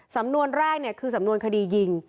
สำนวนแรกคือสำนวนคดียิง